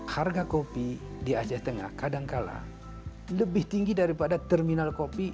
harga kopi di aceh tengah kadangkala lebih tinggi daripada terminal kopi